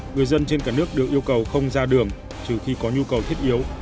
người dân trên cả nước được yêu cầu không ra đường trừ khi có nhu cầu thiết yếu